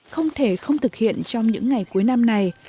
không thể không thực hiện trong những ngày cuối năm này